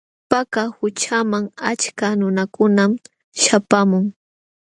Paka qućhaman achka nunakunam śhapaamun.